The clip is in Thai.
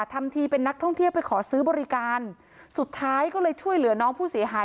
ทำทีเป็นนักท่องเที่ยวไปขอซื้อบริการสุดท้ายก็เลยช่วยเหลือน้องผู้เสียหาย